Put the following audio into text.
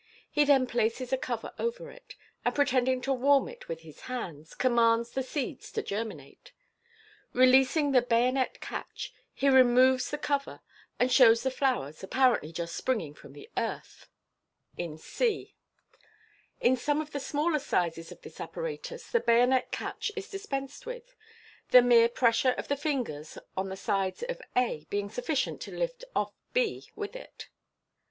He then places a over it, and pretending to warm it with his hands, commands the seeds to germinate. Releasing the bayonet catch, he removes the cover, and shows the flowers apparently just springing from the earth %\1 MODERN MAGIC. in c. In some of the smaller sizes of this apparatus the bayonet caich is dispensed with, the mere essure of the fingers on the sides of a being sufficient to lift off b with it.